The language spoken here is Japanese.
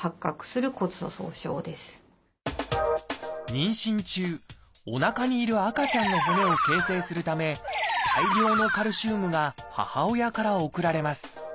妊娠中おなかにいる赤ちゃんの骨を形成するため大量のカルシウムが母親から送られます。